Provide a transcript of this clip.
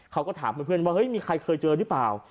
เขาก็ถามเพื่อนว่าเฮ้ยมีใครเคยเจอหรือเปล่า